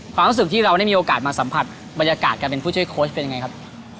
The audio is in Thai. ความรู้สึกที่เราได้มีโอกาสมาสัมผัสบรรยากาศการเป็นผู้ช่วยโค้ชเป็นยังไงครับ